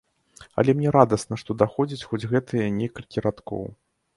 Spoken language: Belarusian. Але мне радасна, што даходзяць хоць гэтыя некалькі радкоў.